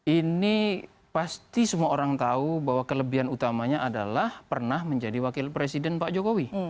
ini pasti semua orang tahu bahwa kelebihan utamanya adalah pernah menjadi wakil presiden pak jokowi